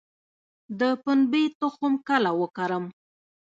د پنبې تخم کله وکرم؟